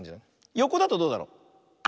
よこだとどうだろう。